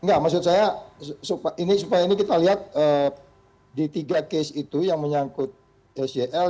enggak maksud saya supaya ini kita lihat di tiga case itu yang menyangkut sel